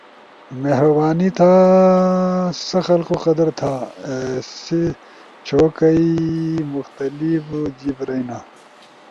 مہربانی تھا سا ضلقو قدر تھا ایسی چھو کئی مختلف جیب رئینا۔